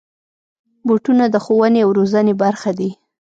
بوټونه د ښوونې او روزنې برخه دي.